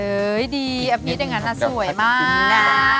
เออดีอภิษย์อย่างนั้นสวยมาก